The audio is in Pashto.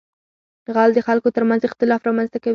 غل د خلکو تر منځ اختلاف رامنځته کوي